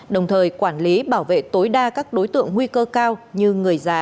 đồng thời quản lý bảo vệ tối đa các đối tượng nguy cơ cao như người già